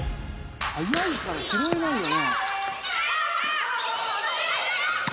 速いから拾えないよね。